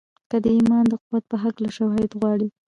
که د ايمان د قوت په هکله شواهد غواړئ.